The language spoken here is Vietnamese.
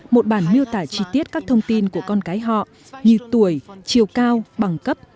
một bản miêu tả chi tiết các thông tin của con cái họ như tuổi chiều cao bằng cấp